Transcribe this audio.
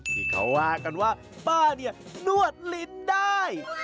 ที่เขาว่ากันว่าป้าเนี่ยนวดลิ้นได้